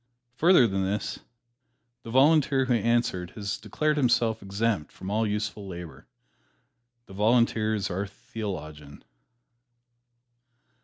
Further than this, the Volunteer who answered has declared himself exempt from all useful labor. This Volunteer is our theologian.